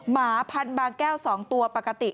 หมาพันบางแก้ว๒ตัวปกติ